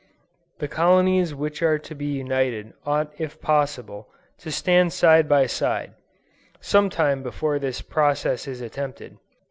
The colonies which are to be united ought if possible, to stand side by side, some time before this process is attempted.